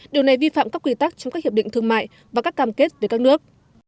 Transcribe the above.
điều này vi phạm các quy tắc trong các hiệp định thương mại và các cam kết với các nước